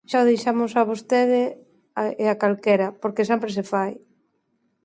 Xa o deixamos a vostede e a calquera, porque sempre se fai.